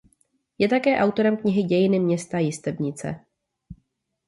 Je také autorem knihy "Dějiny města Jistebnice".